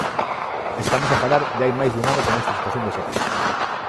Estamos a falar de hai máis dun ano con esta situación de seca.